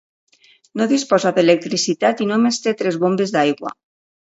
No disposa d'electricitat i només té tres bombes d'aigua.